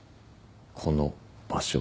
「この」「場所」